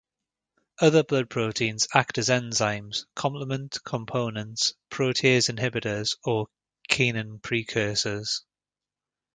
Other blood proteins act as enzymes, complement components, protease inhibitors or kinin precursors.